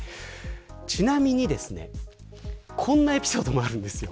ちなみにこんなエピソードもあるんです。